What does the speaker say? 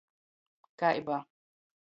Kai ba.